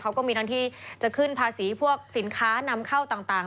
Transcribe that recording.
เขาก็มีทั้งที่จะขึ้นภาษีพวกสินค้านำเข้าต่าง